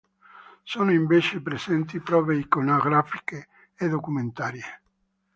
Sono invece presenti prove iconografiche e documentarie.